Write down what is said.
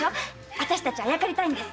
私たちあやかりたいんです。